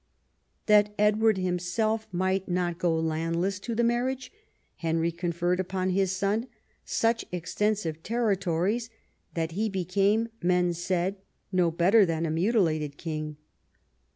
That Edward himself might not go landless to the marriage, Henry conferred upon his son such extensive territories that lie became, men said, no better than a mutilated king.